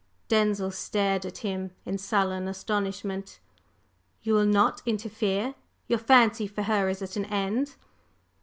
Denzil stared at him in sullen astonishment. "You will not interfere? Your fancy for her is at an end?"